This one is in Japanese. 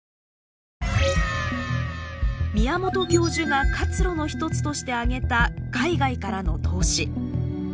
宮本教授が活路の一つとして挙げた海外からの投資。